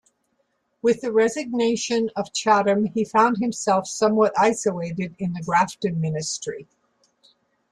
With the resignation of Chatham, he found himself somewhat isolated in the Grafton Ministry.